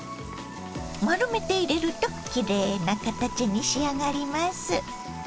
丸めて入れるときれいな形に仕上がります。